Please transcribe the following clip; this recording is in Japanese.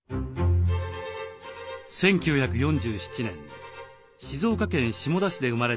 １９４７年静岡県下田市で生まれた栗原はるみさん。